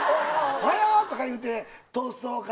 おはよう！とか言うてトーストをかじって。